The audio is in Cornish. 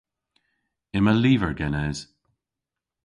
Yma lyver genes.